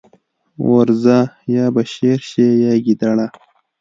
ورځه! يا به شېر شې يا ګيدړه.